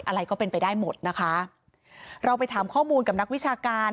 อะไรก็เป็นไปได้หมดนะคะเราไปถามข้อมูลกับนักวิชาการ